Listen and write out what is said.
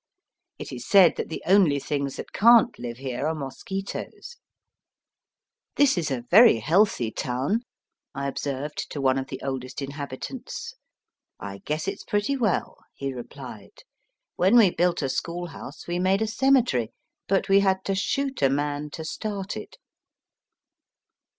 It is said that the only things that can't live here are mosquitoes. '' This is a very healthy town," I observed to one of the oldest inhabitants. Digitized by VjOOQIC IN THE ROCKY MOUNTAINS. 75 "I guess it's pretty wal," he replied. " When we built a schoolhouse we made a cemetery, but we had to shoot a man to start it."